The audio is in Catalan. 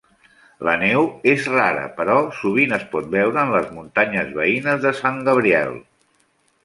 La neu és rara, però sovint es pot veure en les muntanyes veïnes de Sant Gabriel.